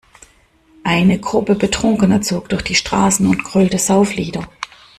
Eine Gruppe Betrunkener zog durch die Straßen und grölte Sauflieder.